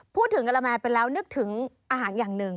พูดถึงกระแมเป็นแล้วนึกถึงอาหารอย่างหนึ่ง